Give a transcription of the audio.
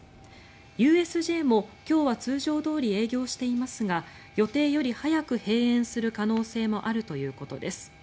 ＵＳＪも今日は通常どおり営業していますが予定より早く閉園する可能性もあるということです。